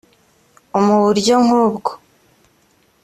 u mu buryo nk ubwo